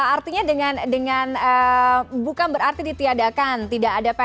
artinya dengan dengan bukan berarti ditiadakan tidak ada pr sama sekali